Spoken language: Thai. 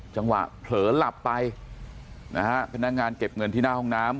จังหวะเผลอหลับไปนะฮะพนักงานเก็บเงินที่หน้าห้องน้ำ